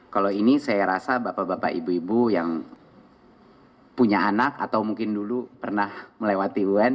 kalau ini saya rasa bapak bapak ibu ibu yang punya anak atau mungkin dulu pernah melewati un